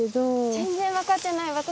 全然わかってない私。